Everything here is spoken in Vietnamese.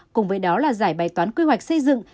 cùng với đó là giải bài toán quy hoạch xây dựng